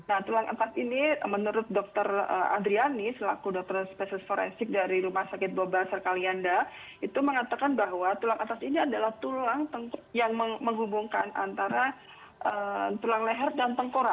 nah tulang atas ini menurut dokter adriani selaku dokter spesialis forensik dari rumah sakit boba serkalianda itu mengatakan bahwa tulang atas ini adalah tulang yang menghubungkan antara tulang leher dan tengkora